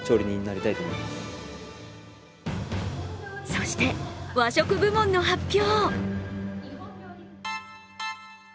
そして、和食部門の発表。